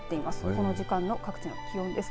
この時間の各地の気温です。